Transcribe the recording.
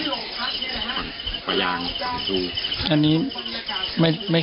นายนาลินเคยมาไหม